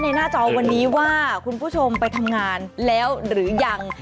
หน้าจอวันนี้ว่าคุณผู้ชมไปทำงานแล้วหรือยัง